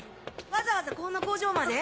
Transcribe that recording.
わざわざこんな工場まで？